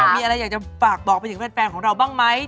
มีอะไรอยากจะฝากบอกไปถึงแฟนของเราบ้างไหม